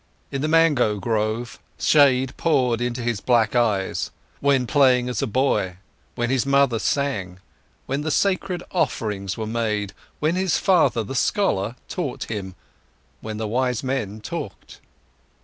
In the mango grove, shade poured into his black eyes, when playing as a boy, when his mother sang, when the sacred offerings were made, when his father, the scholar, taught him, when the wise men talked.